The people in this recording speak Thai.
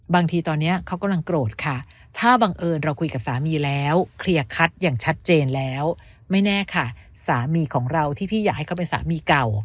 บางทีตอนนี้เขากำลังโกรธค่ะถ้าบังเอิญเราคุยกับสามีแล้วเคลียร์คัดอย่างชัดเจนแล้วไม่แน่ค่ะสามีของเราที่พี่อยากให้เขาเป็นสามีเก่า